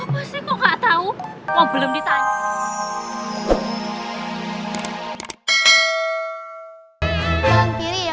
nggak tahu belum ditanya